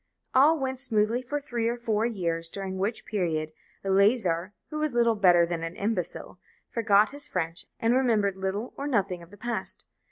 All went smoothly for three or four years, during which period Eleazar, who was little better than an imbecile, forgot his French, and remembered little or nothing of the past.